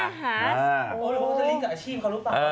ลุกก็จะลีกอาชีพเขารู้ป้ะ